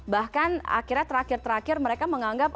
bahkan akhirnya terakhir terakhir mereka menganggap